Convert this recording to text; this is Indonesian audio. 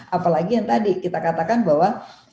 apalagi yang tadi kita katakan bahwa